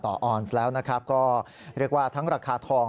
ออนซ์แล้วนะครับก็เรียกว่าทั้งราคาทอง